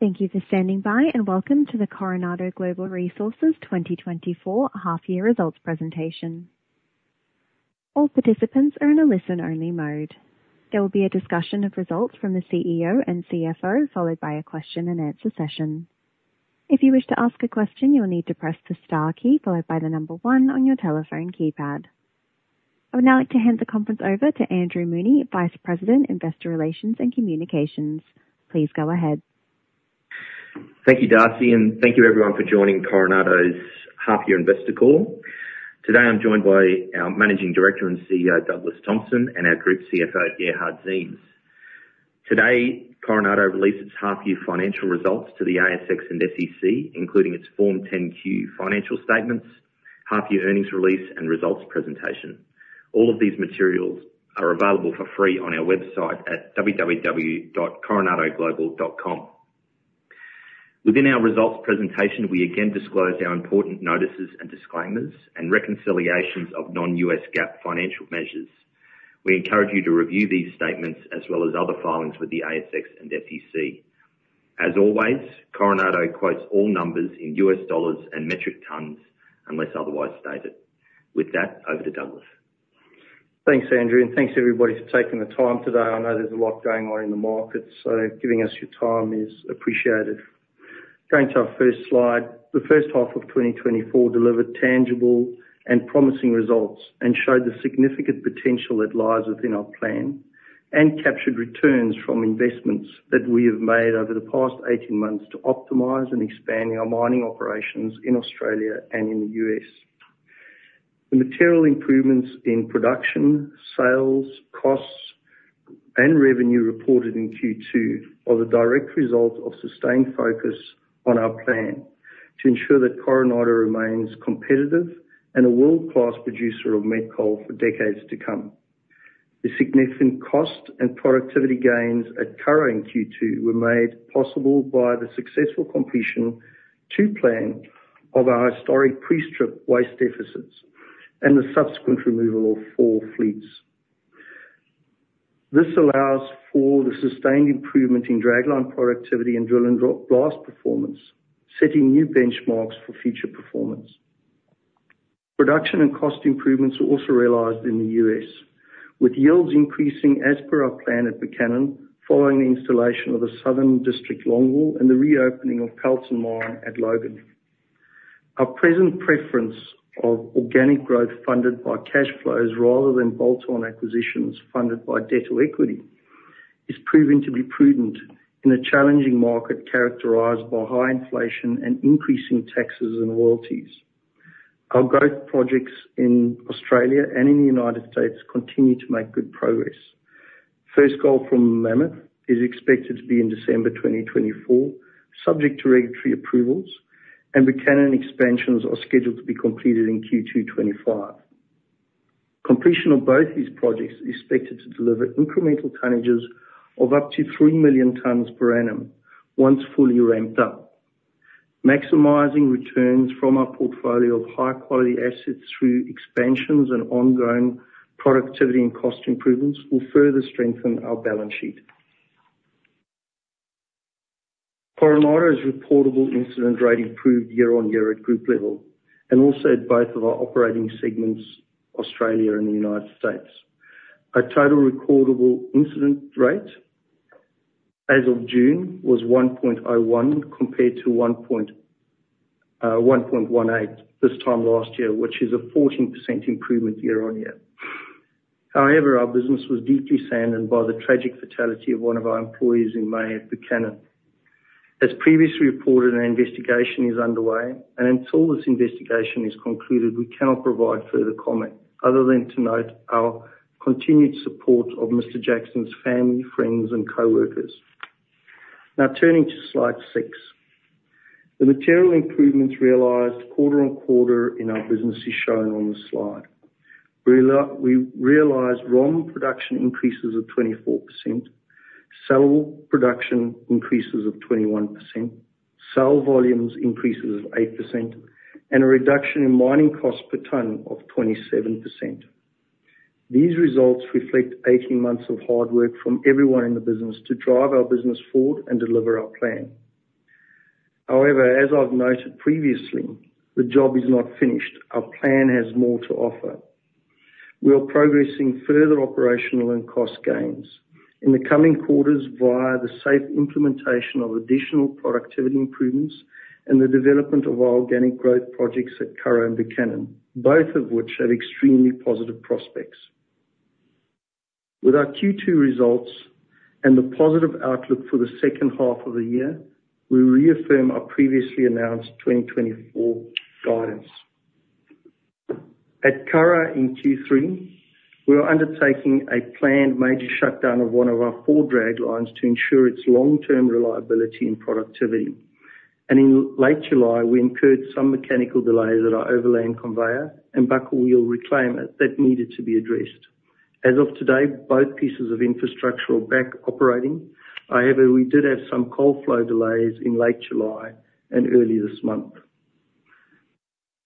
Thank you for standing by and welcome to the Coronado Global Resources 2024 half-year results presentation. All participants are in a listen-only mode. There will be a discussion of results from the CEO and CFO, followed by a question-and-answer session. If you wish to ask a question, you'll need to press the star key, followed by the number one on your telephone keypad. I would now like to hand the conference over to Andrew Mooney, Vice President, Investor Relations and Communications. Please go ahead. Thank you, Darcy, and thank you, everyone, for joining Coronado's half-year investor call. Today, I'm joined by our Managing Director and CEO, Douglas Thompson, and our Group CFO, Gerhard Ziems. Today, Coronado released its half-year financial results to the ASX and SEC, including its Form 10-Q financial statements, half-year earnings release, and results presentation. All of these materials are available for free on our website at www.coronadoglobal.com. Within our results presentation, we again disclose our important notices and disclaimers and reconciliations of non-U.S. GAAP financial measures. We encourage you to review these statements as well as other filings with the ASX and SEC. As always, Coronado quotes all numbers in U.S. dollars and metric tons unless otherwise stated. With that, over to Douglas. Thanks, Andrew. And thanks, everybody, for taking the time today. I know there's a lot going on in the markets, so giving us your time is appreciated. Going to our first slide, the first half of 2024 delivered tangible and promising results and showed the significant potential that lies within our plan and captured returns from investments that we have made over the past 18 months to optimize and expand our mining operations in Australia and in the U.S. The material improvements in production, sales, costs, and revenue reported in Q2 are the direct result of sustained focus on our plan to ensure that Coronado remains competitive and a world-class producer of met coal for decades to come. The significant cost and productivity gains occurring in Q2 were made possible by the successful completion to plan of our historic pre-strip waste deficits and the subsequent removal of 4 fleets. This allows for the sustained improvement in dragline productivity and drill and blast performance, setting new benchmarks for future performance. Production and cost improvements were also realized in the US, with yields increasing as per our plan at Buchanan following the installation of the Southern District longwall and the reopening of Powellton Mine at Logan. Our present preference of organic growth funded by cash flows rather than bolt-on acquisitions funded by debt or equity is proving to be prudent in a challenging market characterized by high inflation and increasing taxes and royalties. Our growth projects in Australia and in the United States continue to make good progress. First goal for Mammoth is expected to be in December 2024, subject to regulatory approvals, and Buchanan expansions are scheduled to be completed in Q2 2025. Completion of both these projects is expected to deliver incremental tonnages of up to 3 million tons per annum once fully ramped up. Maximizing returns from our portfolio of high-quality assets through expansions and ongoing productivity and cost improvements will further strengthen our balance sheet. Coronado's reportable incident rate improved year-on-year at group level and also at both of our operating segments, Australia and the United States. Our total reportable incident rate as of June was 1.01 compared to 1.18 this time last year, which is a 14% improvement year-on-year. However, our business was deeply saddened by the tragic fatality of one of our employees in May at Buchanan. As previously reported, an investigation is underway, and until this investigation is concluded, we cannot provide further comment other than to note our continued support of Mr. Jackson's family, friends, and coworkers. Now, turning to slide six, the material improvements realized quarter-over-quarter in our business is shown on the slide. We realized ROM production increases of 24%, saleable production increases of 21%, sales volumes increases of 8%, and a reduction in mining costs per ton of 27%. These results reflect 18 months of hard work from everyone in the business to drive our business forward and deliver our plan. However, as I've noted previously, the job is not finished. Our plan has more to offer. We are progressing further operational and cost gains in the coming quarters via the safe implementation of additional productivity improvements and the development of our organic growth projects at Curragh Buchanan, both of which have extremely positive prospects. With our Q2 results and the positive outlook for the second half of the year, we reaffirm our previously announced 2024 guidance. At Curragh in Q3, we are undertaking a planned major shutdown of one of our four draglines to ensure its long-term reliability and productivity. In late July, we incurred some mechanical delays at our overland conveyor and bucket wheel reclaimer that needed to be addressed. As of today, both pieces of infrastructure are back operating. However, we did have some coal flow delays in late July and early this month.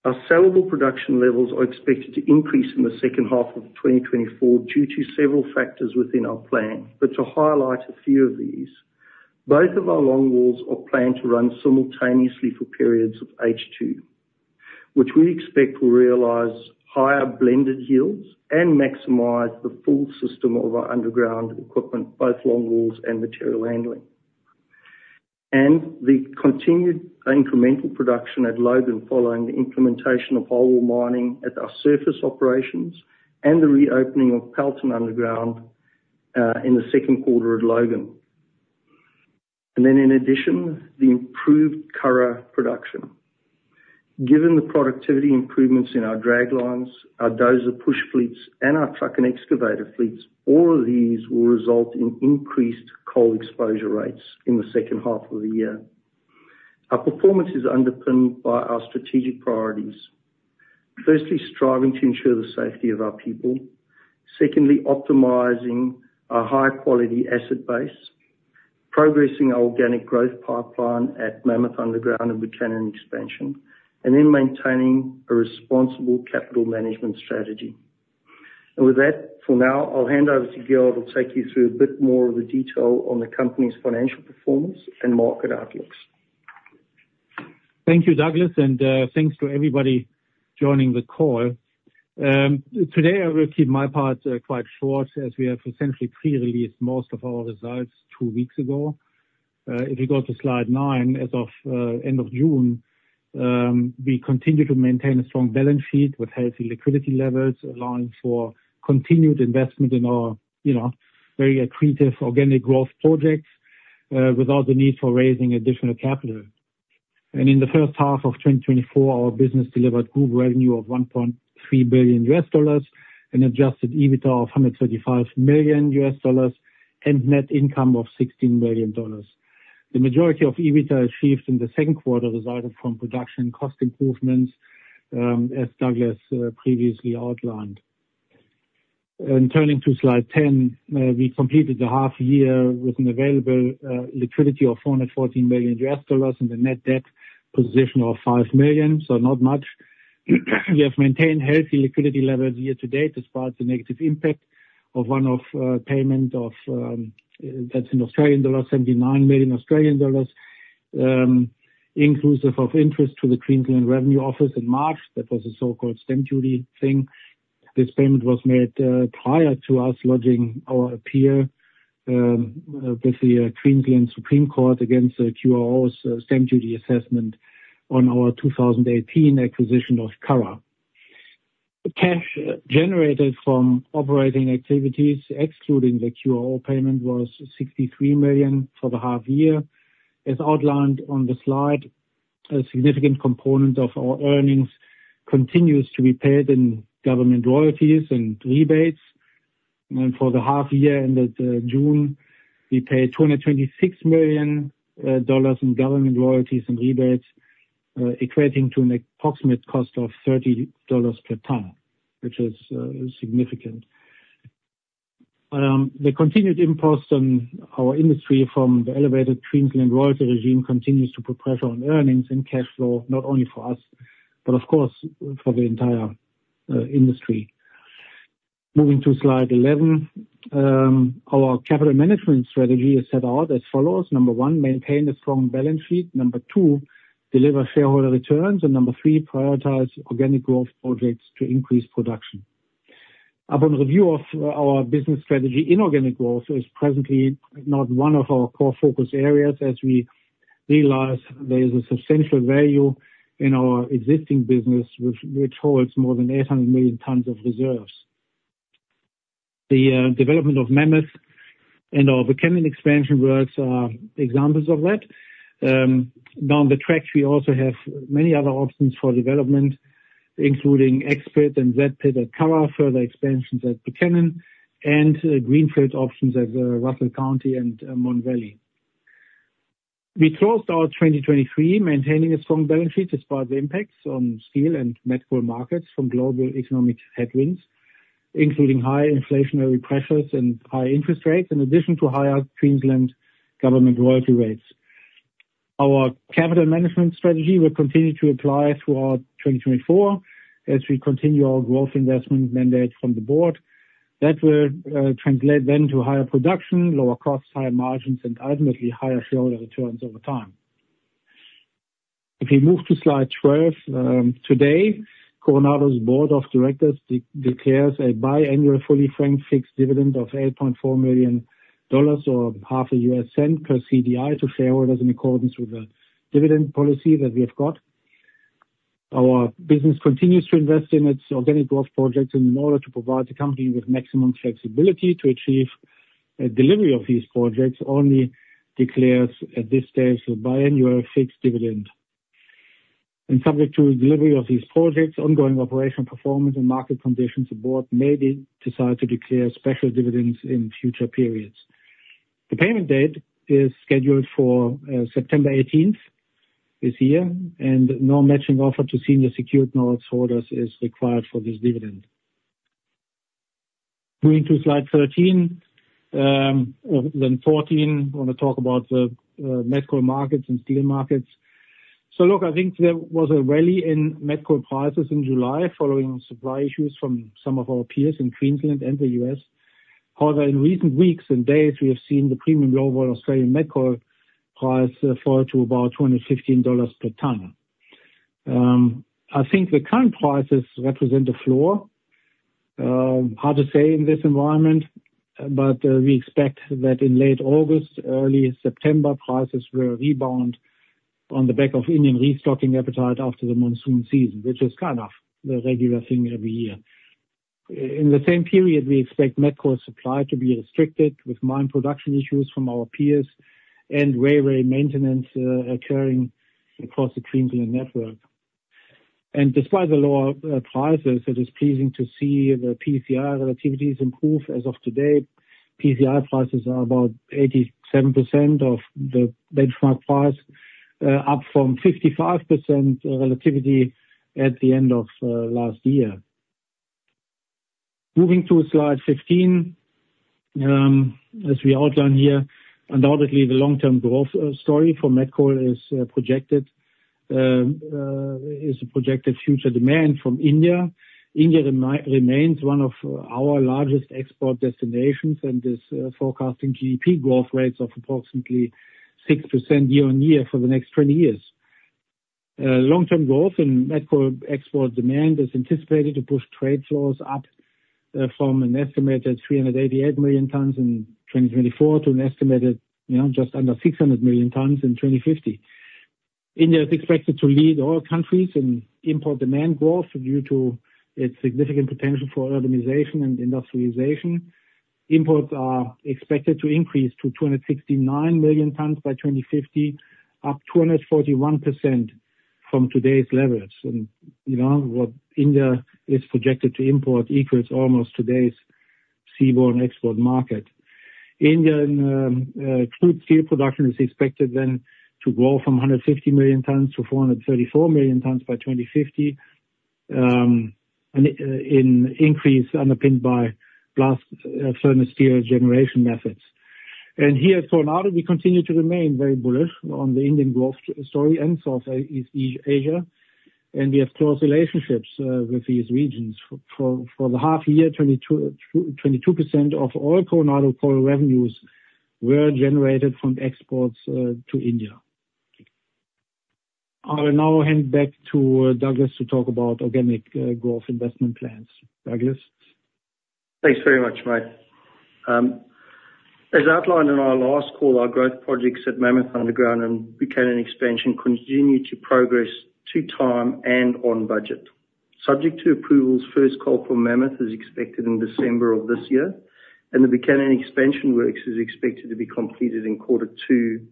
Our sellable production levels are expected to increase in the second half of 2024 due to several factors within our plan, but to highlight a few of these. Both of our longwalls are planned to run simultaneously for periods of H2, which we expect will realize higher blended yields and maximize the full system of our underground equipment, both longwalls and material handling. The continued incremental production at Logan following the implementation of highwall mining at our surface operations and the reopening of Pelton Underground in the second quarter at Logan. Then, in addition, the improved Curragh production. Given the productivity improvements in our draglines, our dozer push fleets, and our truck and excavator fleets, all of these will result in increased coal extraction rates in the second half of the year. Our performance is underpinned by our strategic priorities. Firstly, striving to ensure the safety of our people. Secondly, optimizing our high-quality asset base, progressing our organic growth pipeline at Mammoth Underground and Buchanan expansion, and then maintaining a responsible capital management strategy. With that, for now, I'll hand over to Gerhard, who will take you through a bit more of the detail on the company's financial performance and market outlooks. Thank you, Douglas, and thanks to everybody joining the call. Today, I will keep my part quite short as we have essentially pre-released most of our results two weeks ago. If you go to slide nine as of end of June, we continue to maintain a strong balance sheet with healthy liquidity levels, allowing for continued investment in our very accretive organic growth projects without the need for raising additional capital. In the first half of 2024, our business delivered group revenue of $1.3 billion and adjusted EBITDA of $135 million and net income of $16 million. The majority of EBITDA achieved in the second quarter resulted from production and cost improvements, as Douglas previously outlined. Turning to slide 10, we completed the half year with an available liquidity of $414 million and a net debt position of $5 million, so not much. We have maintained healthy liquidity levels year to date despite the negative impact of one-off payment that's in Australian dollars, 79 million Australian dollars, inclusive of interest to the Queensland Revenue Office in March. That was a so-called stamp duty thing. This payment was made prior to us lodging our appeal with the Queensland Supreme Court against the QRO's stamp duty assessment on our 2018 acquisition of Curragh. Cash generated from operating activities, excluding the QRO payment, was $63 million for the half year, as outlined on the slide. A significant component of our earnings continues to be paid in government royalties and rebates. For the half year ended June, we paid $226 million in government royalties and rebates, equating to an approximate cost of $30 per ton, which is significant. The continued impulse in our industry from the elevated Queensland royalty regime continues to put pressure on earnings and cash flow, not only for us, but of course for the entire industry. Moving to slide 11, our capital management strategy is set out as follows. Number one, maintain a strong balance sheet. Number 2, deliver shareholder returns. And number 3, prioritize organic growth projects to increase production. Upon review of our business strategy in organic growth, it is presently not one of our core focus areas, as we realize there is a substantial value in our existing business, which holds more than 800 million tons of reserves. The development of Mammoth and our Buchanan expansion works are examples of that. Down the track, we also have many other options for development, including X pit and Z pit at Curragh, further expansions at Buchanan, and greenfield options at Russell County and Mon Valley. We closed our 2023 maintaining a strong balance sheet despite the impacts on steel and metal markets from global economic headwinds, including high inflationary pressures and high interest rates, in addition to higher Queensland government royalty rates. Our capital management strategy will continue to apply throughout 2024 as we continue our growth investment mandate from the board. That will translate then to higher production, lower costs, higher margins, and ultimately higher shareholder returns over time. If we move to slide 12, today, Coronado's board of directors declares a biannual fully franked fixed dividend of $8.4 million or $0.005 per CDI to shareholders in accordance with the dividend policy that we have got. Our business continues to invest in its organic growth projects, and in order to provide the company with maximum flexibility to achieve delivery of these projects, only declares at this stage a biannual fixed dividend. Subject to delivery of these projects, ongoing operational performance and market conditions the Board may decide to declare special dividends in future periods. The payment date is scheduled for September 18th this year, and no matching offer to senior secured noteholders is required for this dividend. Moving to slide 13, then 14, I want to talk about the met coal markets and steel markets. So look, I think there was a rally in met coal prices in July following supply issues from some of our peers in Queensland and the U.S. However, in recent weeks and days, we have seen the Premium Low Vol Australian Met Coal price fall to about $215 per tonne. I think the current prices represent a floor. Hard to say in this environment, but we expect that in late August, early September, prices will rebound on the back of Indian restocking appetite after the monsoon season, which is kind of the regular thing every year. In the same period, we expect Met Coal supply to be restricted with mine production issues from our peers and railway maintenance occurring across the Queensland network. Despite the lower prices, it is pleasing to see the PCI relativities improve as of today. PCI prices are about 87% of the benchmark price, up from 55% relativity at the end of last year. Moving to slide 15, as we outline here, undoubtedly the long-term growth story for Met Coal is projected future demand from India. India remains one of our largest export destinations and is forecasting GDP growth rates of approximately 6% year-on-year for the next 20 years. Long-term growth in Met Coal export demand is anticipated to push trade flows up from an estimated 388 million tons in 2024 to an estimated just under 600 million tons in 2050. India is expected to lead all countries in import demand growth due to its significant potential for urbanization and industrialization. Imports are expected to increase to 269 million tons by 2050, up 241% from today's levels. What India is projected to import equals almost today's seaborne export market. Indian crude steel production is expected then to grow from 150 million tons to 434 million tons by 2050, an increase underpinned by blast furnace steel generation methods. And here at Coronado, we continue to remain very bullish on the Indian growth story and South East Asia. And we have close relationships with these regions. For the half year, 22% of all Coronado coal revenues were generated from exports to India. I will now hand back to Douglas to talk about organic growth investment plans. Douglas. Thanks very much, mate. As outlined in our last call, our growth projects at Mammoth Underground and Buchanan expansion continue to progress to time and on budget. Subject to approvals, first coal for Mammoth is expected in December of this year, and the Buchanan expansion works is expected to be completed in quarter two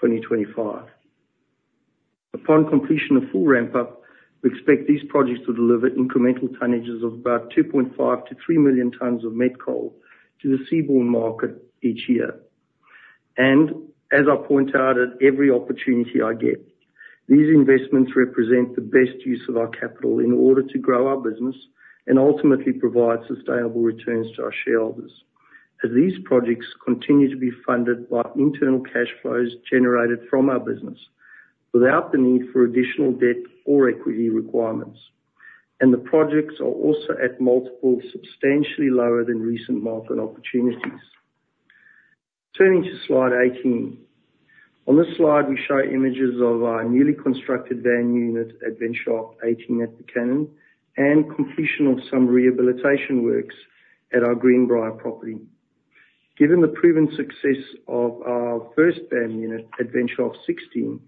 2025. Upon completion of full ramp-up, we expect these projects to deliver incremental tonnages of about 2.5-3 million tons of met coal to the seaborne market each year. And as I point out at every opportunity I get, these investments represent the best use of our capital in order to grow our business and ultimately provide sustainable returns to our shareholders, as these projects continue to be funded by internal cash flows generated from our business without the need for additional debt or equity requirements. The projects are also at multiples substantially lower than recent market opportunities. Turning to slide 18, on this slide, we show images of our newly constructed VAM unit at Bench 18 at Buchanan and completion of some rehabilitation works at our Greenbrier property. Given the proven success of our first VAM unit at Bench 16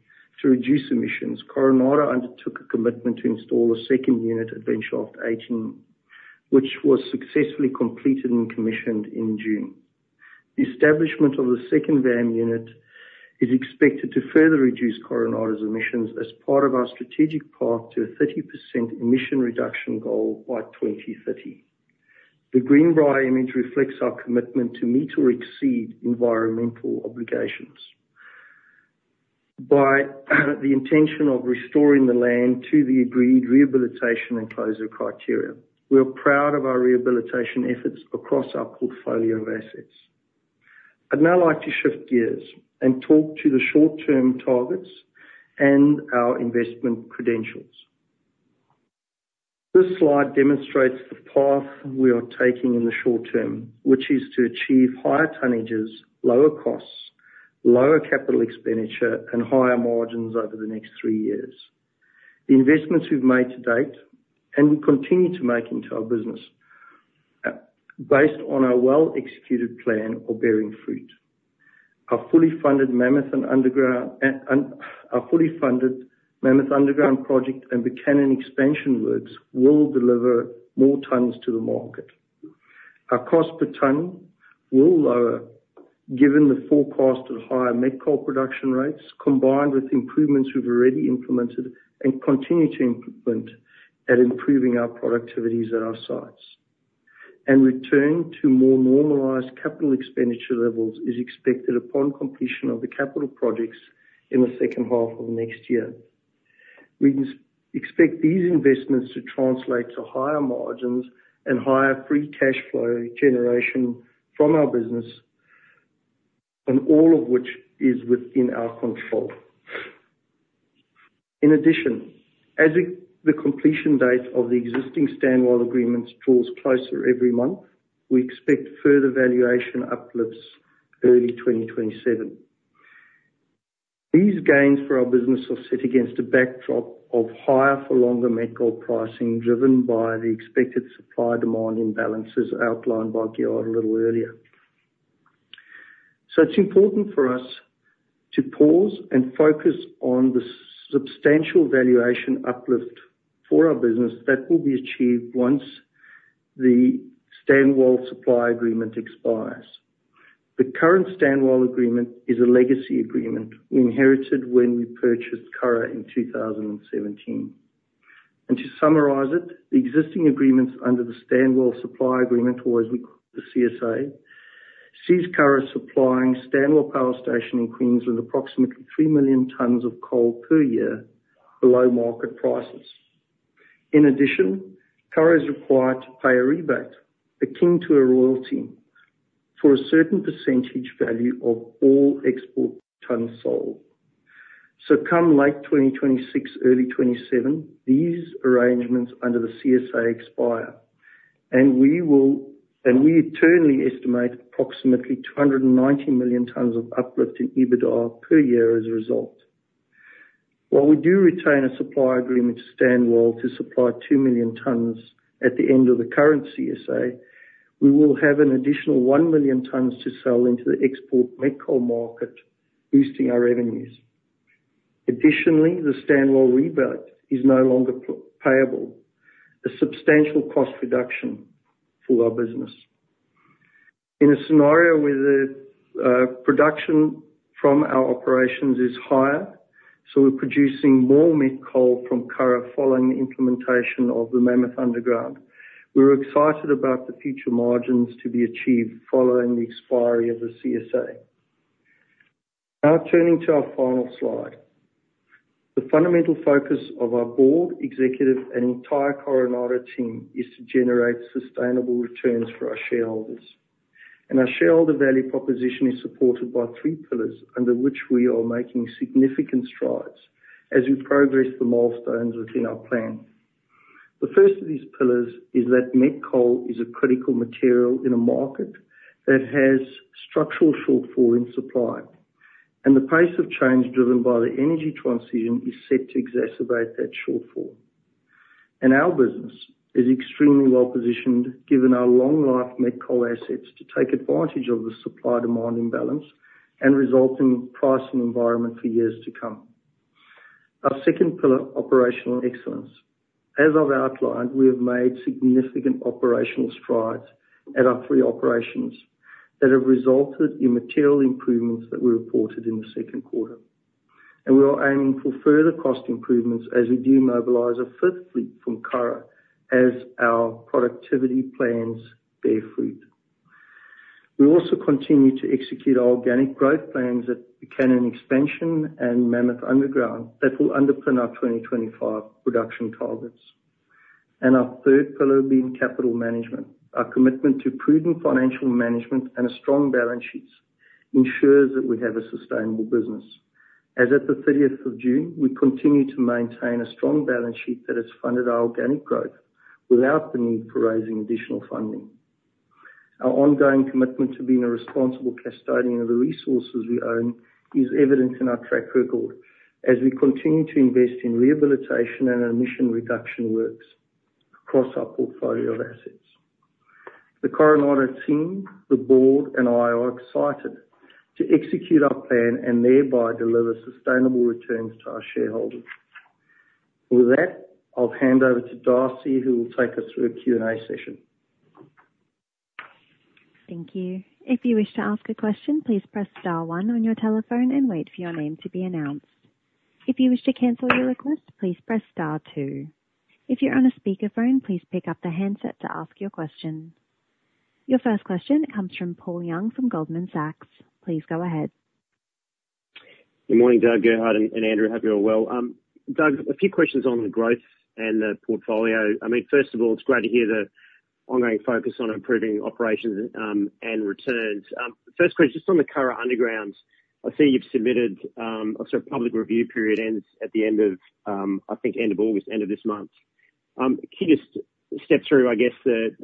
to reduce emissions, Coronado undertook a commitment to install a second unit at Bench 18, which was successfully completed and commissioned in June. The establishment of the second VAM unit is expected to further reduce Coronado's emissions as part of our strategic path to a 30% emission reduction goal by 2030. The Greenbrier image reflects our commitment to meet or exceed environmental obligations with the intention of restoring the land to the agreed rehabilitation and closure criteria. We're proud of our rehabilitation efforts across our portfolio of assets. I'd now like to shift gears and talk to the short-term targets and our investment credentials. This slide demonstrates the path we are taking in the short term, which is to achieve higher tonnages, lower costs, lower capital expenditure, and higher margins over the next three years. The investments we've made to date and will continue to make into our business based on our well-executed plan are bearing fruit. Our fully funded Mammoth Underground project and Buchanan expansion works will deliver more tons to the market. Our cost per ton will lower given the forecast of higher met coal production rates, combined with improvements we've already implemented and continue to implement at improving our productivities at our sites. And return to more normalized capital expenditure levels is expected upon completion of the capital projects in the second half of next year. We expect these investments to translate to higher margins and higher free cash flow generation from our business, and all of which is within our control. In addition, as the completion date of the existing Stanwell agreements draws closer every month, we expect further valuation uplifts early 2027. These gains for our business will sit against a backdrop of higher for longer met coal pricing driven by the expected supply demand imbalances outlined by Gerhard a little earlier. So it's important for us to pause and focus on the substantial valuation uplift for our business that will be achieved once the Stanwell supply agreement expires. The current Stanwell agreement is a legacy agreement we inherited when we purchased Curragh in 2017. To summarize it, the existing agreements under the Stanwell supply agreement, or as we call the CSA, sees Curragh supplying Stanwell power station in Queensland approximately 3 million tonnes of coal per year below market prices. In addition, Curragh is required to pay a rebate akin to a royalty for a certain percentage value of all export tonnes sold. So come late 2026, early 2027, these arrangements under the CSA expire, and we internally estimate approximately $290 million of uplift in EBITDA per year as a result. While we do retain a supply agreement to Stanwell to supply 2 million tonnes at the end of the current CSA, we will have an additional 1 million tonnes to sell into the export met coal market, boosting our revenues. Additionally, the Stanwell rebate is no longer payable, a substantial cost reduction for our business. In a scenario where the production from our operations is higher, so we're producing more met coal from Curran following the implementation of the Mammoth Underground, we're excited about the future margins to be achieved following the expiry of the CSA. Now turning to our final slide, the fundamental focus of our board, executive, and entire Coronado team is to generate sustainable returns for our shareholders. Our shareholder value proposition is supported by three pillars under which we are making significant strides as we progress the milestones within our plan. The first of these pillars is that met coal is a critical material in a market that has structural shortfall in supply. The pace of change driven by the energy transition is set to exacerbate that shortfall. Our business is extremely well positioned given our long-life met coal assets to take advantage of the supply demand imbalance and resulting pricing environment for years to come. Our second pillar, operational excellence. As I've outlined, we have made significant operational strides at our three operations that have resulted in material improvements that we reported in the second quarter. We are aiming for further cost improvements as we demobilize a fifth fleet from Curragh as our productivity plans bear fruit. We also continue to execute our organic growth plans at Buchanan expansion and Mammoth Underground that will underpin our 2025 production targets. Our third pillar being capital management. Our commitment to prudent financial management and a strong balance sheet ensures that we have a sustainable business. As of the 30th of June, we continue to maintain a strong balance sheet that has funded our organic growth without the need for raising additional funding. Our ongoing commitment to being a responsible custodian of the resources we own is evident in our track record as we continue to invest in rehabilitation and emission reduction works across our portfolio of assets. The Coronado team, the board, and I are excited to execute our plan and thereby deliver sustainable returns to our shareholders. With that, I'll hand over to Darcy, who will take us through a Q&A session. Thank you. If you wish to ask a question, please press star one on your telephone and wait for your name to be announced. If you wish to cancel your request, please press star two. If you're on a speakerphone, please pick up the handset to ask your question. Your first question comes from Paul Young from Goldman Sachs. Please go ahead. Good morning, Doug, Gerhard, and Andrew. Hope you're all well. Doug, a few questions on the growth and the portfolio. I mean, first of all, it's great to hear the ongoing focus on improving operations and returns. First question, just on the Curragh Underground, I see you've submitted a sort of public review period ends at the end of, I think, end of August, end of this month. Can you just step through, I guess,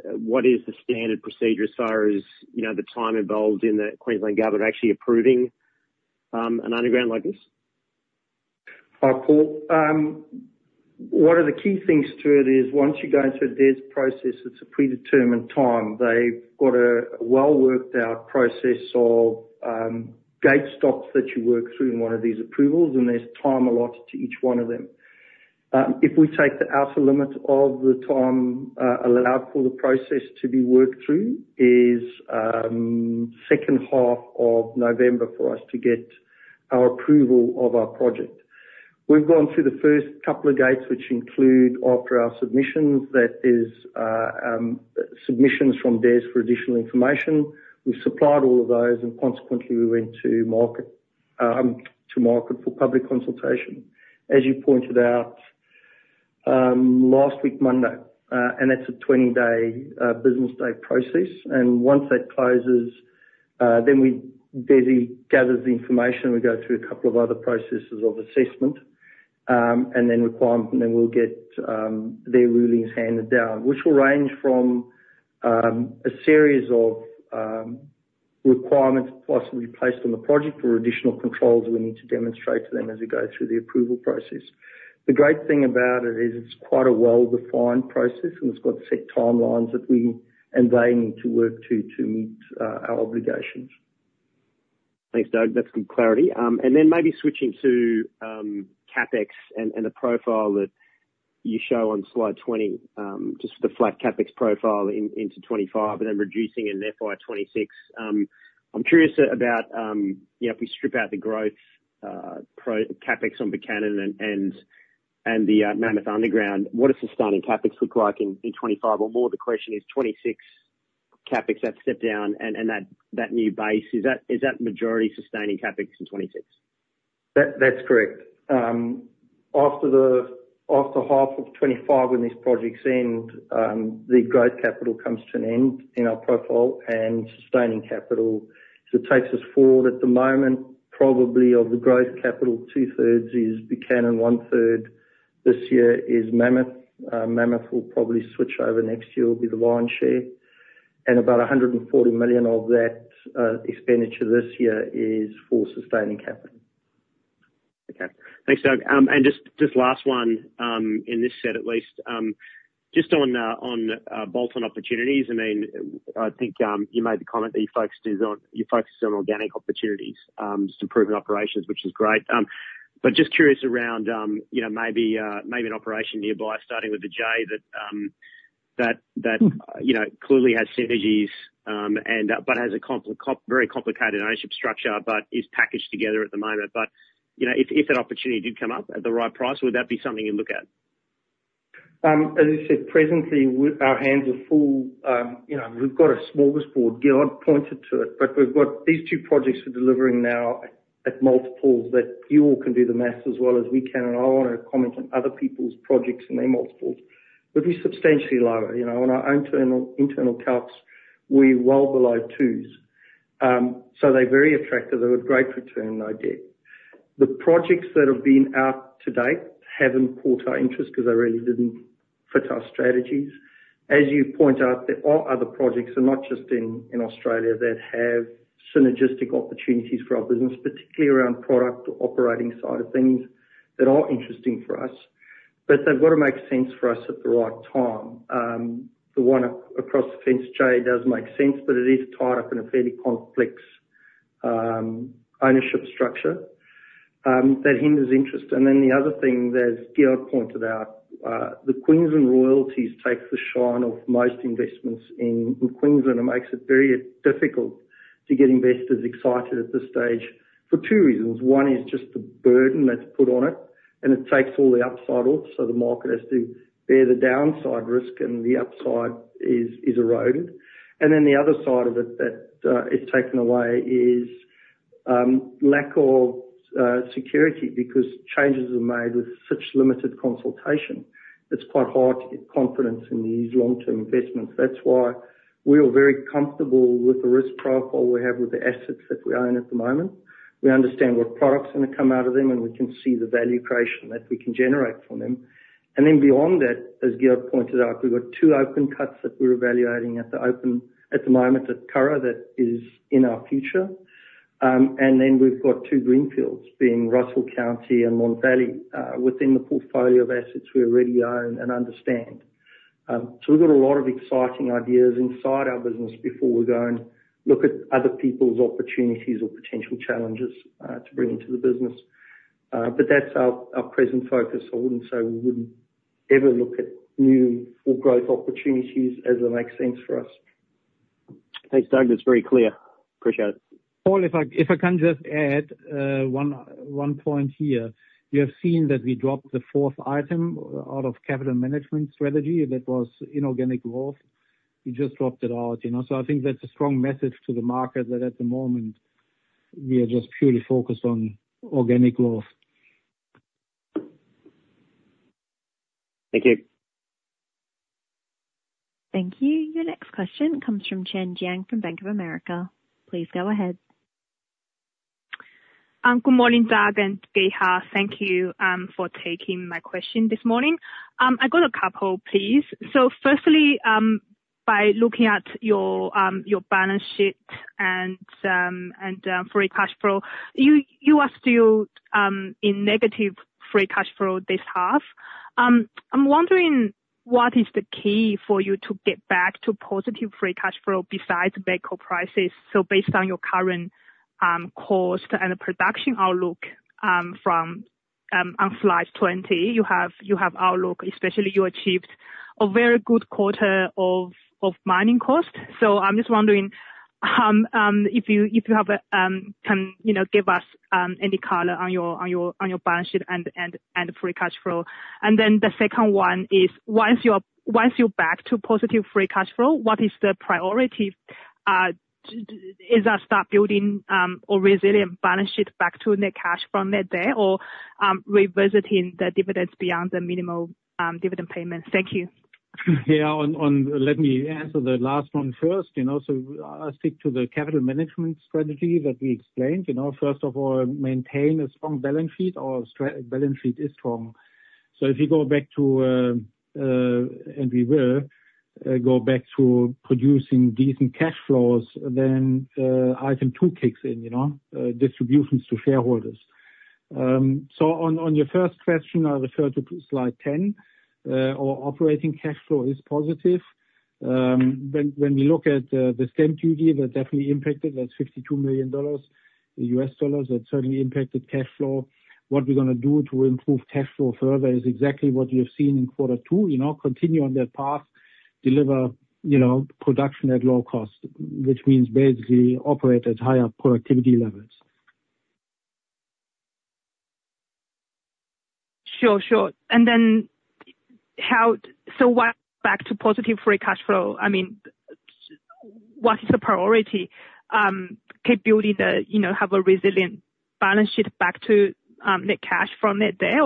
what is the standard procedure as far as the time involved in the Queensland Government actually approving an underground like this? Paul, one of the key things to it is once you go into a DES process, it's a predetermined time. They've got a well-worked-out process of gate stops that you work through in one of these approvals, and there's time allotted to each one of them. If we take the outer limit of the time allowed for the process to be worked through, it is second half of November for us to get our approval of our project. We've gone through the first couple of gates, which include after our submissions that is submissions from DES for additional information. We've supplied all of those, and consequently, we went to market for public consultation, as you pointed out, last week Monday. And that's a 20-day business day process. And once that closes, then DES gathers the information. We go through a couple of other processes of assessment and then requirement, and then we'll get their rulings handed down, which will range from a series of requirements possibly placed on the project or additional controls we need to demonstrate to them as we go through the approval process. The great thing about it is it's quite a well-defined process, and it's got set timelines that we and they need to work to meet our obligations. Thanks, Doug. That's good clarity. Then maybe switching to CapEx and the profile that you show on slide 20, just the flat CapEx profile into 2025, and then reducing in FY2026. I'm curious about if we strip out the growth CapEx on Buchanan and the Mammoth Underground, what does sustaining CapEx look like in 2025? Or more of the question is 2026 CapEx that's stepped down and that new base. Is that majority sustaining CapEx in 2026? That's correct. After half of 2025 when this project's end, the growth capital comes to an end in our profile and sustaining capital. So it takes us forward at the moment, probably of the growth capital, two-thirds is Buchanan, one-third this year is Mammoth. Mammoth will probably switch over next year will be the lion's share. And about $140 million of that expenditure this year is for sustaining capital. Okay. Thanks, Doug. And just last one in this set, at least. Just on bolt-on opportunities, I mean, I think you made the comment that you focus on organic opportunities to improve operations, which is great. But just curious around maybe an operation nearby starting with the J that clearly has synergies but has a very complicated ownership structure but is packaged together at the moment. But if that opportunity did come up at the right price, would that be something you'd look at? As you said, presently, our hands are full. We've got a smorgasbord. Gerhard pointed to it, but we've got these two projects we're delivering now at multiples that you all can do the math as well as we can. And I want to comment on other people's projects and their multiples. But we're substantially lower. On our internal calcs, we're well below 2s. So they're very attractive. They're a great return, I did. The projects that have been out to date haven't caught our interest because they really didn't fit our strategies. As you point out, there are other projects, and not just in Australia, that have synergistic opportunities for our business, particularly around product or operating side of things that are interesting for us. But they've got to make sense for us at the right time. The one across the fence, J, does make sense, but it is tied up in a fairly complex ownership structure that hinders interest. Then the other thing that Gerhard pointed out, the Queensland royalties take the shine off most investments in Queensland and makes it very difficult to get investors excited at this stage for two reasons. One is just the burden that's put on it, and it takes all the upside off, so the market has to bear the downside risk, and the upside is eroded. Then the other side of it that is taken away is lack of security because changes are made with such limited consultation. It's quite hard to get confidence in these long-term investments. That's why we are very comfortable with the risk profile we have with the assets that we own at the moment. We understand what products are going to come out of them, and we can see the value creation that we can generate from them. And then beyond that, as Gerhard pointed out, we've got two open cuts that we're evaluating at the moment at Curragh that is in our future. And then we've got two greenfields being Russell County and Mon Valley within the portfolio of assets we already own and understand. So we've got a lot of exciting ideas inside our business before we go and look at other people's opportunities or potential challenges to bring into the business. But that's our present focus. I wouldn't say we wouldn't ever look at new or growth opportunities as they make sense for us. Thanks, Doug. That's very clear. Appreciate it. Paul, if I can just add one point here. You have seen that we dropped the fourth item out of capital management strategy that was inorganic growth. You just dropped it out. So I think that's a strong message to the market that at the moment, we are just purely focused on organic growth. Thank you. Thank you. Your next question comes from Chen Jiang from Bank of America. Please go ahead. Good morning, Doug and Gerhard. Thank you for taking my question this morning. I got a couple pieces. So firstly, by looking at your balance sheet and free cash flow, you are still in negative free cash flow this half. I'm wondering what is the key for you to get back to positive free cash flow besides the met coal prices? So based on your current cost and production outlook from on slide 20, you have outlook, especially you achieved a very good quarter of mining cost. So I'm just wondering if you can give us any color on your balance sheet and free cash flow. And then the second one is once you're back to positive free cash flow, what is the priority? Is that start building a resilient balance sheet back to net cash from net debt or revisiting the dividends beyond the minimal dividend payment? Thank you. Yeah. Let me answer the last one first. So I stick to the capital management strategy that we explained. First of all, maintain a strong balance sheet. Our balance sheet is strong. So if you go back to, and we will go back to producing decent cash flows, then item two kicks in, distributions to shareholders. So on your first question, I referred to slide 10, our operating cash flow is positive. When we look at the stamp duty, that definitely impacted. That's $52 million. That certainly impacted cash flow. What we're going to do to improve cash flow further is exactly what you've seen in quarter two. Continue on that path, deliver production at low cost, which means basically operate at higher productivity levels. Sure, sure. And then so back to positive free cash flow, I mean, what is the priority? Keep building, have a resilient balance sheet back to net cash from net debt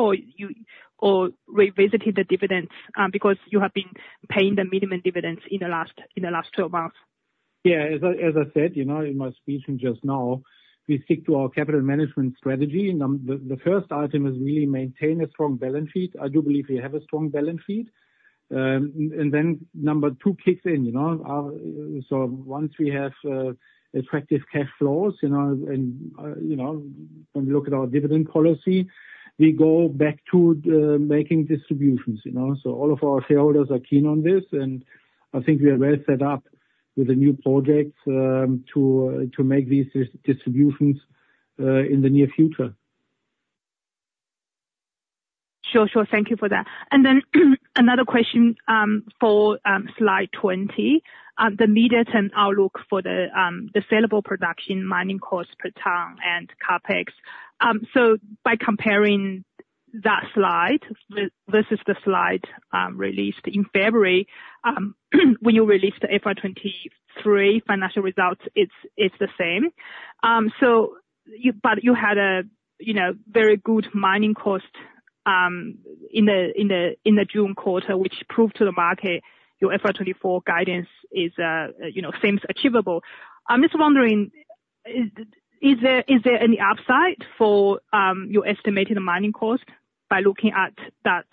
or revisiting the dividends because you have been paying the minimum dividends in the last 12 months? Yeah. As I said in my speech just now, we stick to our capital management strategy. The first item is really maintain a strong balance sheet. I do believe we have a strong balance sheet. Then number 2 kicks in. So once we have attractive cash flows, and when we look at our dividend policy, we go back to making distributions. So all of our shareholders are keen on this, and I think we are well set up with a new project to make these distributions in the near future. Sure, sure. Thank you for that. Then another question for slide 20, the median outlook for the saleable production mining cost per ton and CapEx. So by comparing that slide versus the slide released in February, when you released the FY23 financial results, it's the same. But you had a very good mining cost in the June quarter, which proved to the market your FY24 guidance seems achievable. I'm just wondering, is there any upside for your estimating the mining cost by looking at that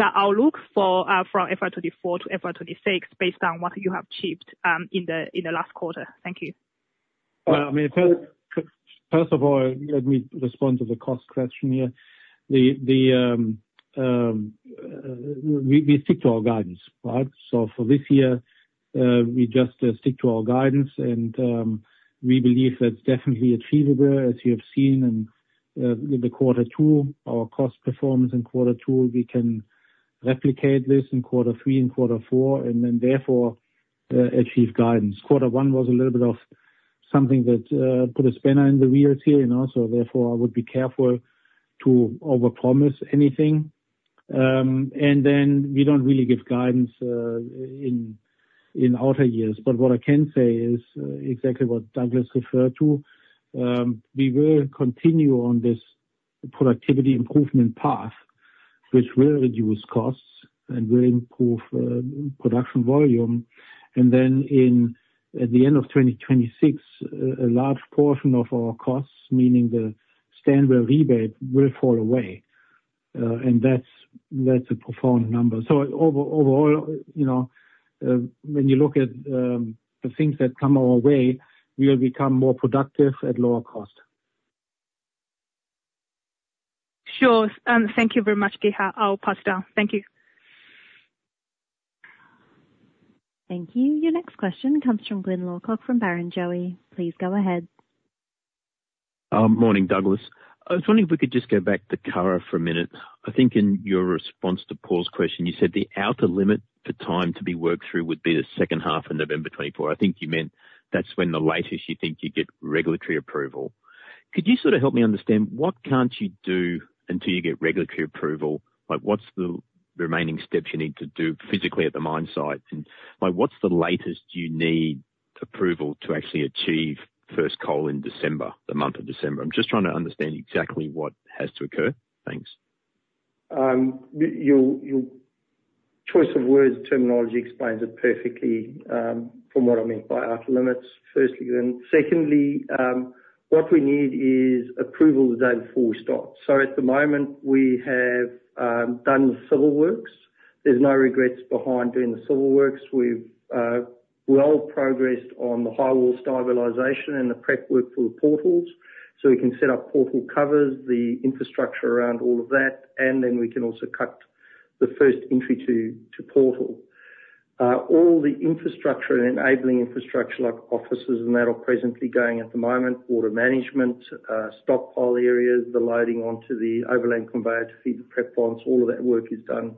outlook from FY24 to FY26 based on what you have achieved in the last quarter? Thank you. Well, I mean, first of all, let me respond to the cost question here. We stick to our guidance, right? So for this year, we just stick to our guidance, and we believe that's definitely achievable, as you have seen in quarter two, our cost performance in quarter two. We can replicate this in quarter three and quarter four, and then therefore achieve guidance. Quarter one was a little bit of something that put a spanner in the wheels here. So therefore, I would be careful to overpromise anything. And then we don't really give guidance in outer years. But what I can say is exactly what Douglas referred to. We will continue on this productivity improvement path, which will reduce costs and will improve production volume. And then at the end of 2026, a large portion of our costs, meaning the Stanwell rebate, will fall away. That's a profound number. Overall, when you look at the things that come our way, we will become more productive at lower cost. Sure. Thank you very much, Gerhard. I'll pass down. Thank you. Thank you. Your next question comes from Glyn Lawcock from Barrenjoey. Please go ahead. Morning, Douglas. I was wondering if we could just go back to Curragh for a minute. I think in your response to Paul's question, you said the outer limit for time to be worked through would be the second half of November 2024. I think you meant that's when the latest you think you get regulatory approval. Could you sort of help me understand what can't you do until you get regulatory approval? What's the remaining steps you need to do physically at the mine site? And what's the latest you need approval to actually achieve first coal in December, the month of December? I'm just trying to understand exactly what has to occur. Thanks. Your choice of words, terminology explains it perfectly from what I meant by outer limits, firstly. And secondly, what we need is approval the day before we start. So at the moment, we have done the civil works. There's no regrets behind doing the civil works. We've well progressed on the highwall stabilization and the prep work for the portals. So we can set up portal covers, the infrastructure around all of that, and then we can also cut the first entry to portal. All the infrastructure and enabling infrastructure like offices and that are presently going at the moment, water management, stockpile areas, the loading onto the overland conveyor to feed the prep ponds, all of that work is done.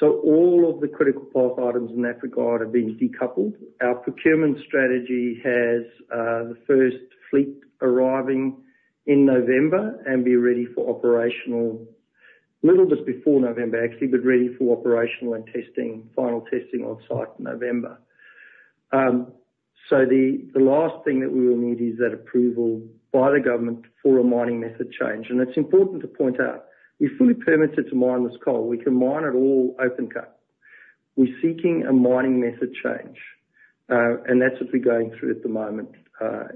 So all of the critical path items in that regard have been decoupled. Our procurement strategy has the first fleet arriving in November and be ready for operational a little bit before November, actually, but ready for operational and testing, final testing on site in November. So the last thing that we will need is that approval by the government for a mining method change. And it's important to point out, we fully permitted to mine this coal. We can mine it all open cut. We're seeking a mining method change. And that's what we're going through at the moment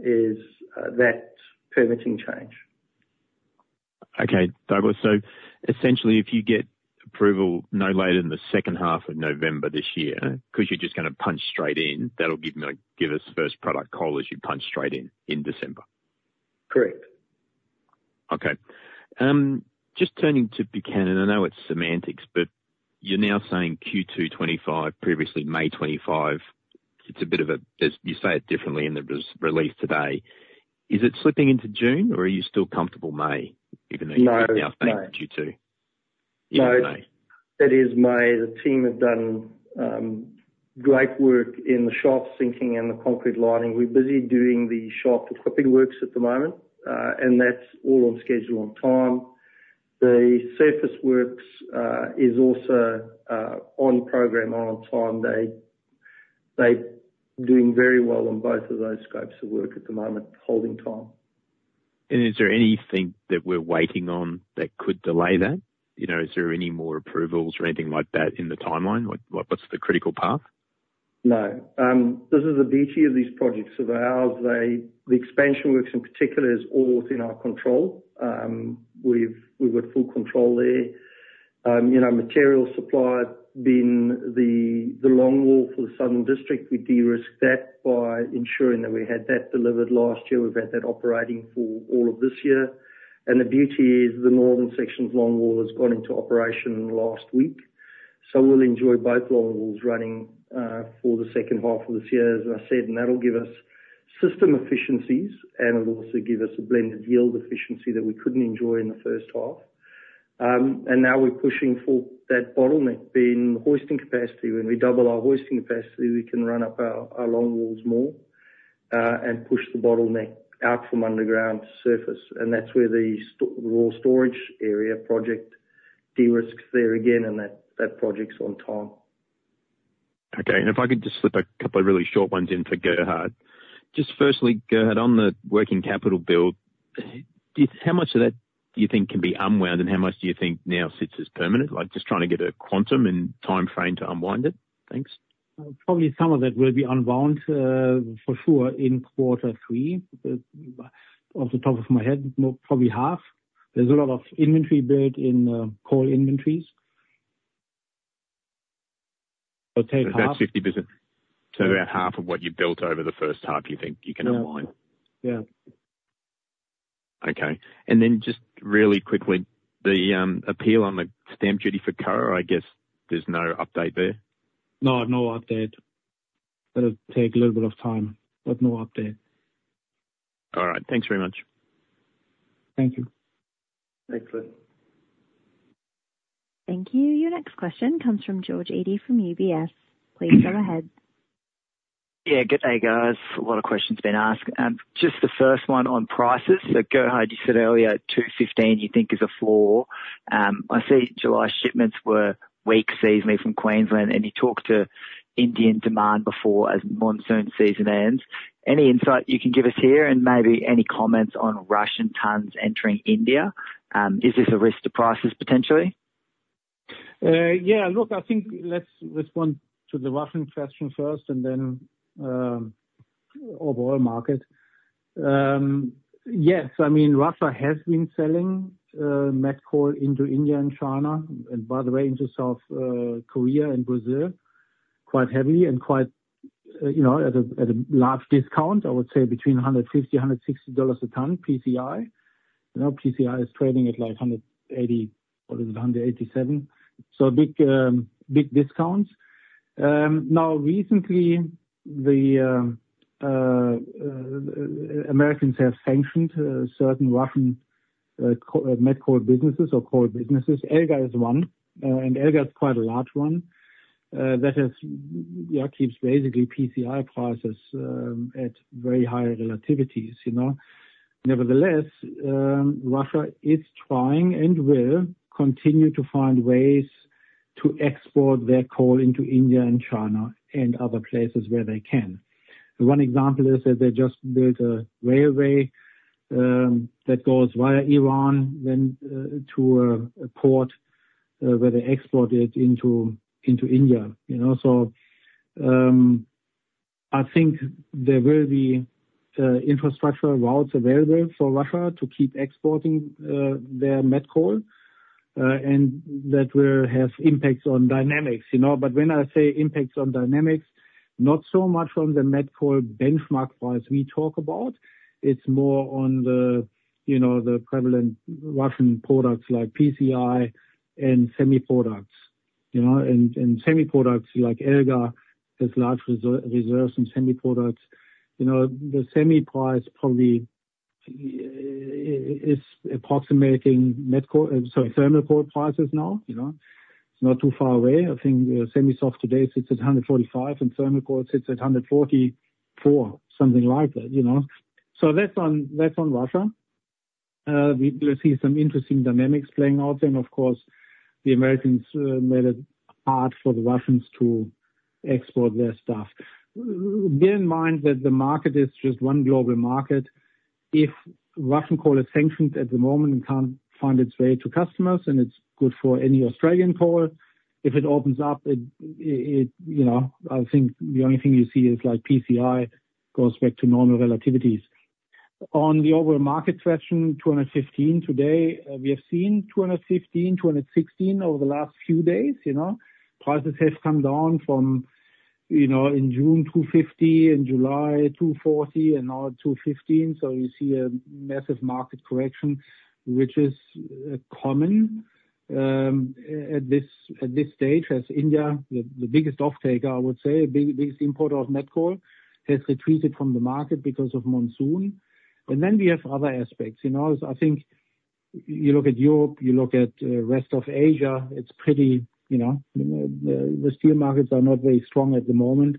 is that permitting change. Okay, Douglas. So essentially, if you get approval no later than the second half of November this year, because you're just going to punch straight in, that'll give us first product coal as you punch straight in in December. Correct. Okay. Just turning to Buchanan, I know it's semantics, but you're now saying Q2 2025, previously May 2025. It's a bit of a you say it differently in the release today. Is it slipping into June, or are you still comfortable May, even though you're now saying Q2? No. Even May. That is May. The team have done great work in the shaft sinking and the concrete lining. We're busy doing the shaft equipping works at the moment, and that's all on schedule, on time. The surface works is also on program, on time. They're doing very well on both of those scopes of work at the moment, holding time. Is there anything that we're waiting on that could delay that? Is there any more approvals or anything like that in the timeline? What's the critical path? No. This is the beauty of these projects of ours. The expansion works in particular is all within our control. We've got full control there. Material supply has been the longwall for the southern district. We de-risked that by ensuring that we had that delivered last year. We've had that operating for all of this year. And the beauty is the northern section's longwall has gone into operation last week. So we'll enjoy both longwalls running for the second half of this year, as I said, and that'll give us system efficiencies, and it'll also give us a blended yield efficiency that we couldn't enjoy in the first half. And now we're pushing for that bottleneck being the hoisting capacity. When we double our hoisting capacity, we can run up our longwalls more and push the bottleneck out from underground to surface. That's where the raw storage area project de-risks there again, and that project's on time. Okay. If I could just slip a couple of really short ones in for Gerhard. Just firstly, Gerhard, on the working capital build, how much of that do you think can be unwound, and how much do you think now sits as permanent? Just trying to get a quantum and timeframe to unwind it. Thanks. Probably some of that will be unwound for sure in quarter three. Off the top of my head, probably half. There's a lot of inventory built in coal inventories. That's 50%. About half of what you built over the first half, you think you can unwind? Yeah. Yeah. Okay. And then just really quickly, the appeal on the stamp duty for Curragh, I guess there's no update there? No, no update. That'll take a little bit of time, but no update. All right. Thanks very much. Thank you. Excellent. Thank you. Your next question comes from George Eadie from UBS. Please go ahead. Yeah. Good day, guys. A lot of questions been asked. Just the first one on prices. So Gerhard, you said earlier $215, you think is a floor. I see July shipments were weak seasonally from Queensland, and you talked to Indian demand before as monsoon season ends. Any insight you can give us here and maybe any comments on Russian tons entering India? Is this a risk to prices potentially? Yeah. Look, I think let's respond to the Russian question first and then overall market. Yes. I mean, Russia has been selling met coal into India and China, and by the way, into South Korea and Brazil quite heavily and quite at a large discount, I would say, between $150-$160 a ton, PCI. PCI is trading at like 180, what is it, 187. So big discounts. Now, recently, the Americans have sanctioned certain Russian met coal businesses or coal businesses. Elga is one, and Elga is quite a large one that keeps basically PCI prices at very high relativities. Nevertheless, Russia is trying and will continue to find ways to export their coal into India and China and other places where they can. One example is that they just built a railway that goes via Iran then to a port where they export it into India. So I think there will be infrastructure routes available for Russia to keep exporting their met coal, and that will have impacts on dynamics. But when I say impacts on dynamics, not so much on the met coal benchmark price we talk about. It's more on the prevalent Russian products like PCI and semi-products. And semi-products like Elga has large reserves in semi-products. The semi price probably is approximating met coal, sorry, thermal coal prices now. It's not too far away. I think semi-soft today sits at $145, and thermal coal sits at $144, something like that. So that's on Russia. We will see some interesting dynamics playing out. And of course, the Americans made it hard for the Russians to export their stuff. Bear in mind that the market is just one global market. If Russian coal is sanctioned at the moment and can't find its way to customers, and it's good for any Australian coal, if it opens up, I think the only thing you see is like PCI goes back to normal relativities. On the overall market question, $215 today, we have seen $215, $216 over the last few days. Prices have come down from in June $250, in July $240, and now $215. So you see a massive market correction, which is common at this stage as India, the biggest offtaker, I would say, biggest importer of met coal, has retreated from the market because of monsoon. And then we have other aspects. I think you look at Europe, you look at rest of Asia, it's pretty the steel markets are not very strong at the moment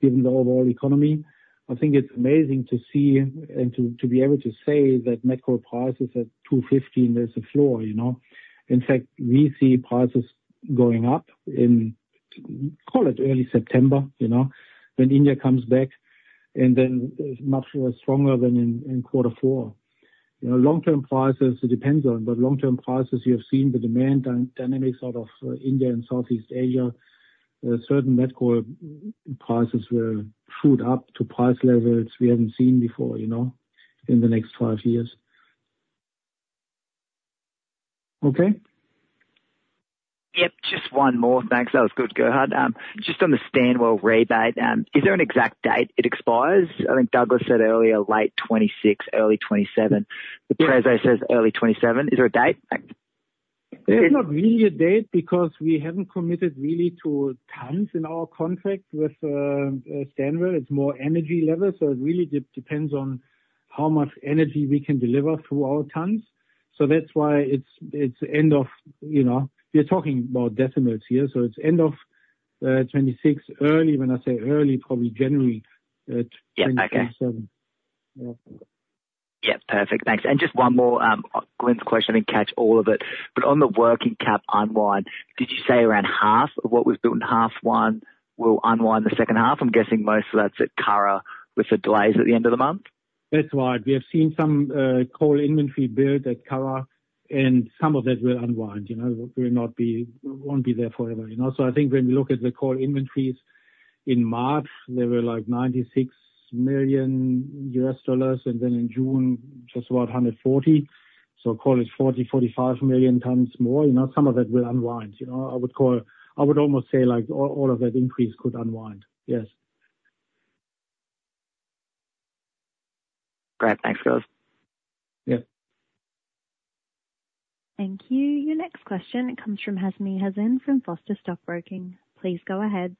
given the overall economy. I think it's amazing to see and to be able to say that met coal prices at $250, there's a floor. In fact, we see prices going up in, call it early September, when India comes back and then much stronger than in quarter four. Long-term prices, it depends on, but long-term prices, you have seen the demand dynamics out of India and Southeast Asia. Certain met coal prices will shoot up to price levels we haven't seen before in the next five years. Okay? Yep. Just one more. Thanks. That was good, Gerhard. Just on the Stanwell rebate, is there an exact date it expires? I think Douglas said earlier, late 2026, early 2027. The press release says early 2027. Is there a date? There's not really a date because we haven't committed really to tons in our contract with Stanwell. It's more energy level. So it really depends on how much energy we can deliver through our tons. So that's why it's end of year we're talking about decimals here. So it's end of 2026, early, when I say early, probably January 2027. Yep. Okay. Yep. Perfect. Thanks. And just one more Glynn's question. I didn't catch all of it. But on the working cap unwind, did you say around half of what was built in half one will unwind the second half? I'm guessing most of that's at Curragh with the delays at the end of the month. That's right. We have seen some coal inventory built at Curragh, and some of that will unwind. We won't be there forever. So I think when we look at the coal inventories in March, they were like $96 million, and then in June, just about $140 million. So coal is $40-$45 million more. Some of that will unwind. I would almost say all of that increase could unwind. Yes. Great. Thanks, guys. Yeah. Thank you. Your next question, it comes from Hazmy Hazin from Foster Stockbroking. Please go ahead.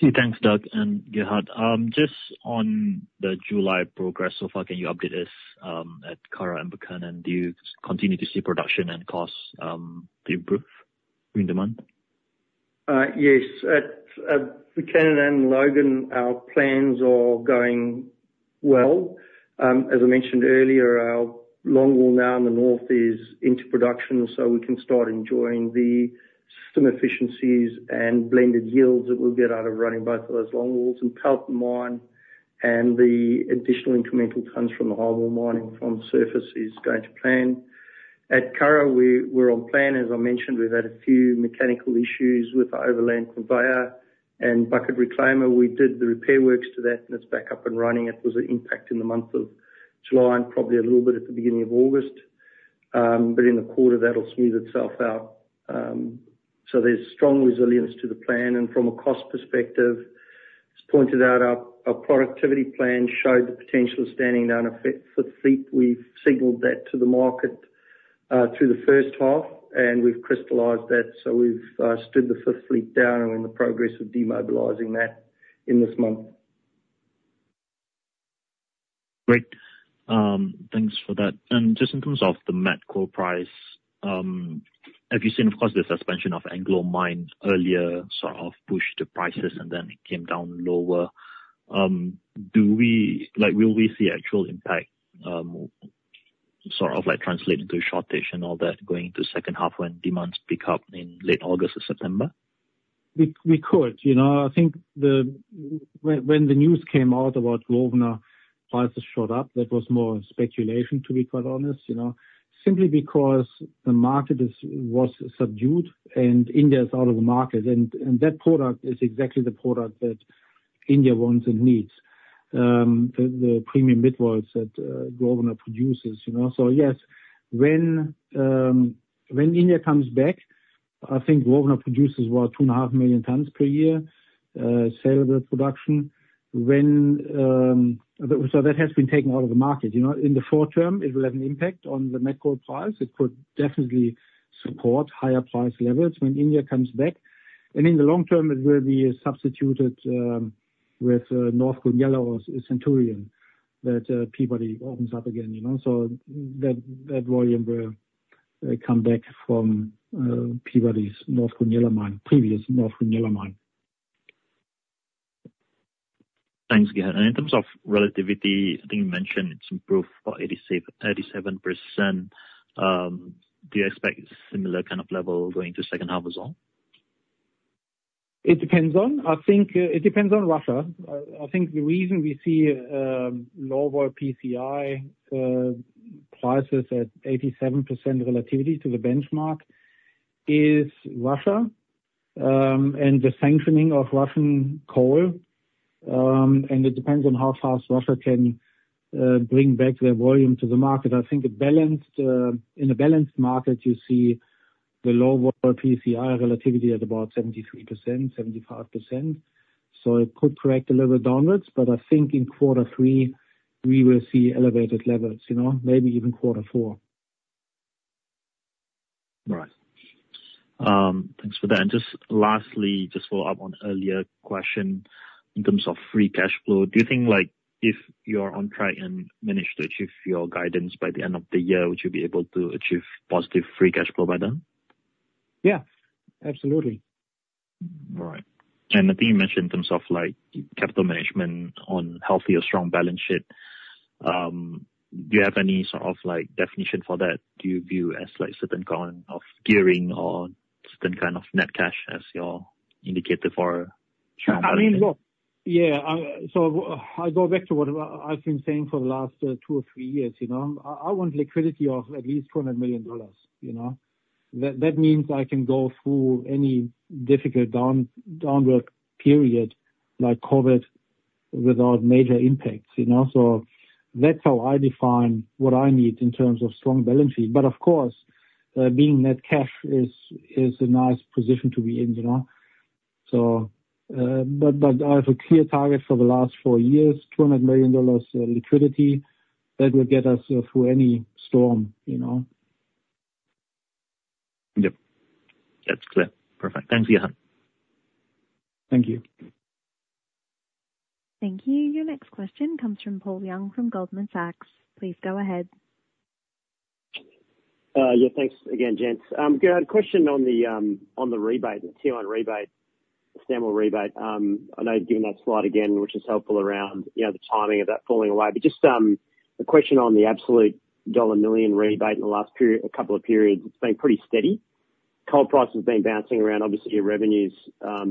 Thanks, Doug and Gerhard. Just on the July progress so far, can you update us at Curragh and Buchanan? Do you continue to see production and costs improve during the month? Yes. At Buchanan and Logan, our plans are going well. As I mentioned earlier, our longwall now in the north is into production, so we can start enjoying the system efficiencies and blended yields that we'll get out of running both of those longwalls. And Pelton mine and the additional incremental tons from the highwall mining from surface is going to plan. At Curragh, we're on plan. As I mentioned, we've had a few mechanical issues with the overland conveyor and bucket reclaimer. We did the repair works to that, and it's back up and running. It was an impact in the month of July and probably a little bit at the beginning of August. But in the quarter, that'll smooth itself out. So there's strong resilience to the plan. From a cost perspective, as pointed out, our productivity plan showed the potential of standing down a fifth fleet. We've signaled that to the market through the first half, and we've crystallized that. We've stood the fifth fleet down and we're in the process of demobilizing that in this month. Great. Thanks for that. Just in terms of the met coal price, have you seen, of course, the suspension of Anglo Mine earlier sort of pushed the prices and then it came down lower? Will we see actual impact sort of translate into shortage and all that going into the second half when demands pick up in late August or September? We could. I think when the news came out about Grosvenor, prices shot up. That was more speculation, to be quite honest, simply because the market was subdued and India is out of the market. And that product is exactly the product that India wants and needs, the premium mid-vols that Grosvenor produces. So yes, when India comes back, I think Grosvenor produces about 2.5 million tons per year saleable production. So that has been taken out of the market. In the short term, it will have an impact on the met coal price. It could definitely support higher price levels when India comes back. And in the long term, it will be substituted with North Goonyella or Centurion that Peabody opens up again. So that volume will come back from Peabody's North Goonyella mine, previous North Goonyella mine. Thanks, Gerhard. And in terms of relativity, I think you mentioned it's improved by 87%. Do you expect similar kind of level going into the second half as well? It depends on. I think it depends on Russia. I think the reason we see lower PCI prices at 87% relativity to the benchmark is Russia and the sanctioning of Russian coal. And it depends on how fast Russia can bring back their volume to the market. I think in a balanced market, you see the lower PCI relativity at about 73%, 75%. So it could correct a little bit downwards, but I think in quarter three, we will see elevated levels, maybe even quarter four. Right. Thanks for that. And just lastly, just follow up on earlier question in terms of free cash flow. Do you think if you're on track and manage to achieve your guidance by the end of the year, would you be able to achieve positive free cash flow by then? Yeah. Absolutely. All right. And I think you mentioned in terms of capital management on healthy or strong balance sheet, do you have any sort of definition for that? Do you view as a certain kind of gearing or certain kind of net cash as your indicator for strong balance sheet? Yeah. So I go back to what I've been saying for the last two or three years. I want liquidity of at least $200 million. That means I can go through any difficult downward period like COVID without major impacts. So that's how I define what I need in terms of strong balance sheet. But of course, being net cash is a nice position to be in. But I have a clear target for the last four years, $200 million liquidity that will get us through any storm. Yep. That's clear. Perfect. Thanks, Gerhard. Thank you. Thank you. Your next question comes from Paul Young from Goldman Sachs. Please go ahead. Yeah. Thanks again, gents. Gerhard, question on the rebate, the Tier 1 rebate, the Stanwell rebate. I know you've given that slide again, which is helpful around the timing of that falling away. But just a question on the absolute $ million rebate in the last couple of periods. It's been pretty steady. Coal prices have been bouncing around. Obviously, your revenues have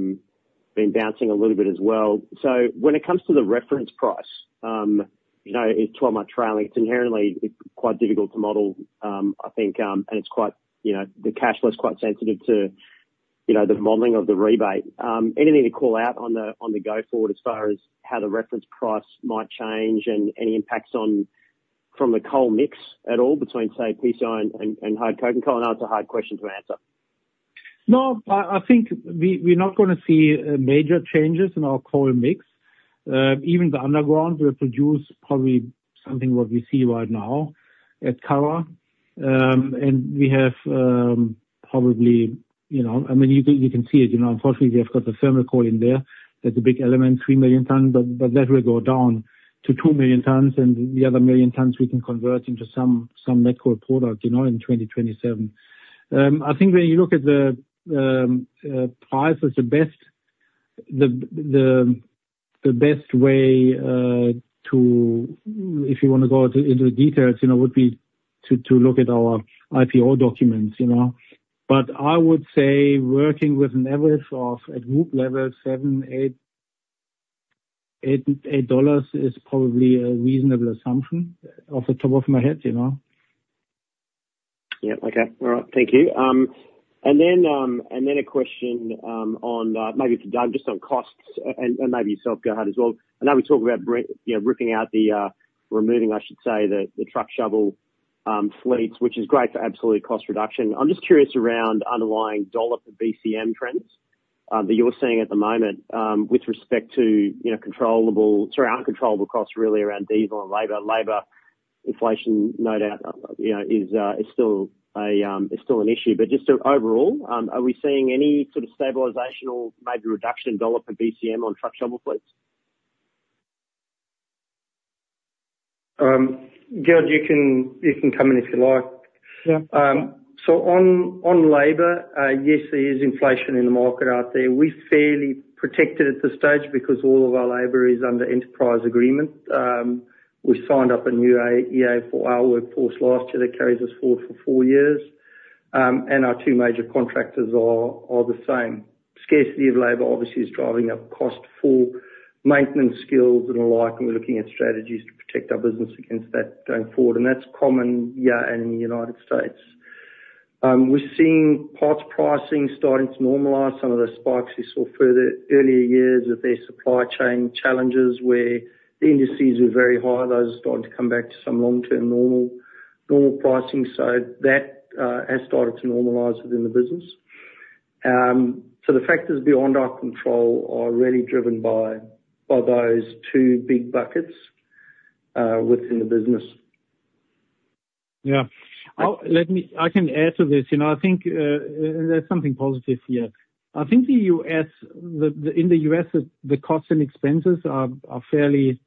been bouncing a little bit as well. So when it comes to the reference price, it's 12-month trailing. It's inherently quite difficult to model, I think, and the cash flow is quite sensitive to the modeling of the rebate. Anything to call out on the go forward as far as how the reference price might change and any impacts from the coal mix at all between, say, PCI and hard coking coal? I know it's a hard question to answer. No, I think we're not going to see major changes in our coal mix. Even the underground will produce probably something what we see right now at Curragh. And we have probably I mean, you can see it. Unfortunately, we have got the thermal coal in there. That's a big element, 3 million tons. But that will go down to 2 million tons, and the other million tons we can convert into some met coal product in 2027. I think when you look at the prices, the best way to, if you want to go into the details, would be to look at our IPO documents. But I would say working with an average of, at group level, $7-$8 is probably a reasonable assumption off the top of my head. Yep. Okay. All right. Thank you. And then a question on maybe just on costs and maybe yourself, Gerhard, as well. I know we talked about ripping out the removing, I should say, the truck shovel fleets, which is great for absolute cost reduction. I'm just curious around underlying dollar per BCM trends that you're seeing at the moment with respect to controllable sorry, uncontrollable costs really around diesel and labor. Labor inflation, no doubt, is still an issue. But just overall, are we seeing any sort of stabilization or maybe reduction in dollar per BCM on truck shovel fleets? Gerhard, you can come in if you like. So on labor, yes, there is inflation in the market out there. We're fairly protected at this stage because all of our labor is under enterprise agreement. We signed up a new EA for our workforce last year that carries us forward for four years. And our two major contractors are the same. Scarcity of labor obviously is driving up cost for maintenance skills and the like. And we're looking at strategies to protect our business against that going forward. And that's common, yeah, and in the United States. We're seeing parts pricing starting to normalize. Some of the spikes we saw earlier years with their supply chain challenges where the indices were very high, those are starting to come back to some long-term normal pricing. So that has started to normalize within the business. So the factors beyond our control are really driven by those two big buckets within the business. Yeah. I can add to this. I think there's something positive here. I think in the US, the costs and expenses are fairly,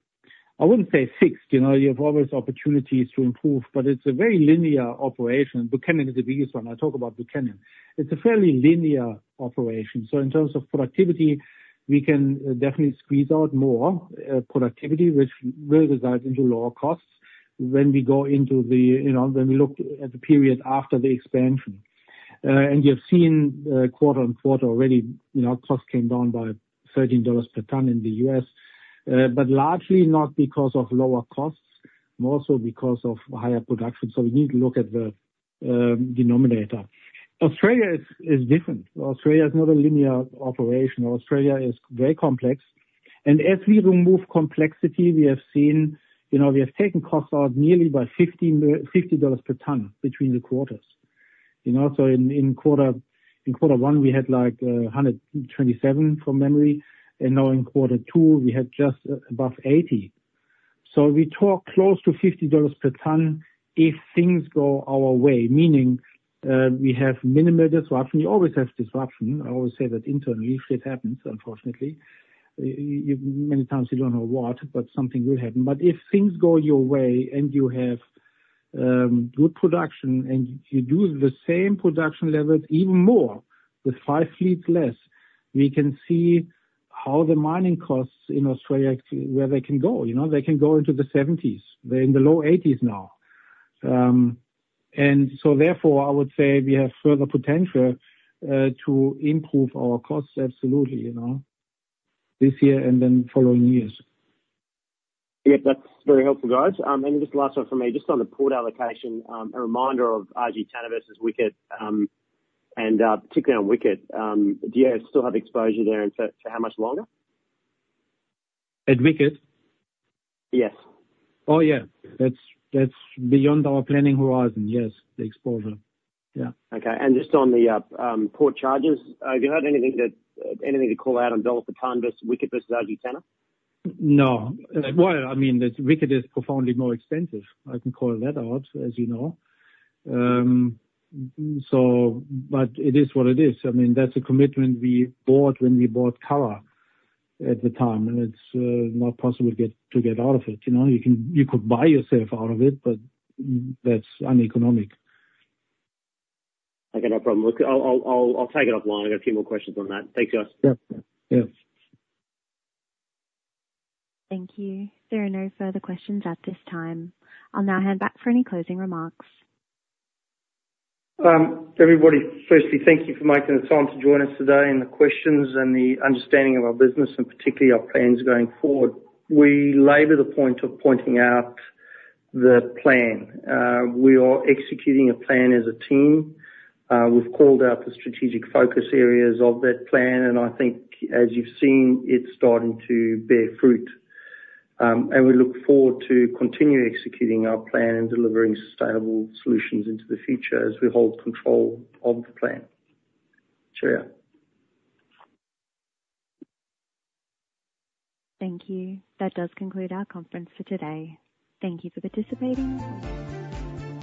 I wouldn't say fixed. You have always opportunities to improve, but it's a very linear operation. Buchanan is the biggest one. I talk about Buchanan. It's a fairly linear operation. So in terms of productivity, we can definitely squeeze out more productivity, which will result into lower costs when we go into, when we look at the period after the expansion. And you've seen quarter-over-quarter already, costs came down by $13 per tonne in the US, but largely not because of lower costs, more so because of higher production. So we need to look at the denominator. Australia is different. Australia is not a linear operation. Australia is very complex. As we remove complexity, we have seen we have taken costs out nearly by $50 per tonne between the quarters. In quarter one, we had like 127 from memory. Now in quarter two, we had just above 80. We talk close to $50 per tonne if things go our way, meaning we have minimal disruption. We always have disruption. I always say that internally if it happens, unfortunately. Many times you don't know what, but something will happen. If things go your way and you have good production and you do the same production levels even more with 5 fleets less, we can see how the mining costs in Australia where they can go. They can go into the 70s. They're in the low 80s now. So therefore, I would say we have further potential to improve our costs, absolutely, this year and then following years. Yep. That's very helpful, guys. And just last one from me. Just on the port allocation, a reminder of RG Tanna as WICET. And particularly on WICET, do you still have exposure there and for how much longer? At WICET? Yes. Oh, yeah. That's beyond our planning horizon, yes, the exposure. Yeah. Okay. And just on the port charges, have you heard anything to call out on dollar per tonne versus WICET versus RG Tanna? No. Well, I mean, WICET is profoundly more expensive. I can call that out, as you know. But it is what it is. I mean, that's a commitment we bought when we bought Curragh at the time. It's not possible to get out of it. You could buy yourself out of it, but that's uneconomic. Okay. No problem. I'll take it online. I've got a few more questions on that. Thanks, guys. Yeah. Yeah. Thank you. There are no further questions at this time. I'll now hand back for any closing remarks. Everybody, firstly, thank you for making the time to join us today and the questions and the understanding of our business and particularly our plans going forward. We labor the point of pointing out the plan. We are executing a plan as a team. We've called out the strategic focus areas of that plan. I think, as you've seen, it's starting to bear fruit. We look forward to continuing executing our plan and delivering sustainable solutions into the future as we hold control of the plan. Cheerio. Thank you. That does conclude our conference for today. Thank you for participating.